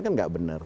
kan gak bener